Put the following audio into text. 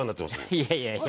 いやいやいやいや。